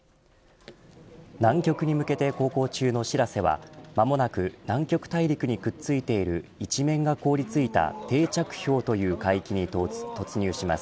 南極に向けて航行中のしらせは間もなく南極大陸にくっついている一面が凍り付いた定着氷という海域に突入します。